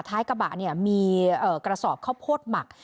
ท้ายกระบะเนี่ยมีกระสอบข้าวโพดหมัก